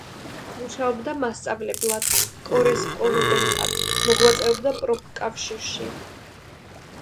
მუშაობდა მასწავლებლად, კორესპონდენტად, მოღვაწეობდა პროფკავშირში.